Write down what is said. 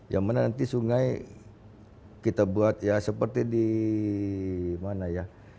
yang mana nanti sungai kita buat ya seperti di mana ya